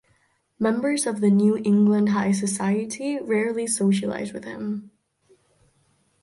Members of the New England high society rarely socialized with him.